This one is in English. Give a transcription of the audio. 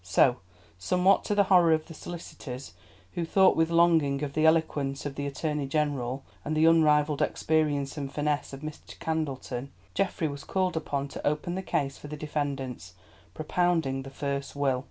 So, somewhat to the horror of the solicitors, who thought with longing of the eloquence of the Attorney General, and the unrivalled experience and finesse of Mr. Candleton, Geoffrey was called upon to open the case for the defendants, propounding the first will.